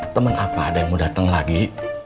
temen apa ada yang mau datang lagi